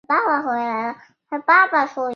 金色代表澳大利亚的国花金合欢。